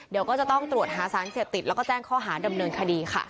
เดี๋ยวก็จะต้องตรวจหาสารเสพติดแล้วก็แจ้งข้อหาดำเนินคดีค่ะ